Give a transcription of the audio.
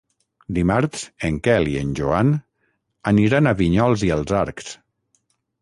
Dimarts en Quel i en Joan aniran a Vinyols i els Arcs.